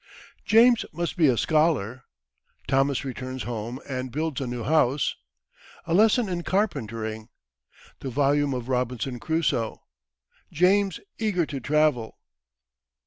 "James must be a Scholar" Thomas returns Home and builds a New House A Lesson in Carpentering The Volume of Robinson Crusoe James eager to Travel.